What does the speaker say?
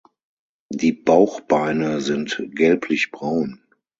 Die Bauchbeine sind gelblichbraun.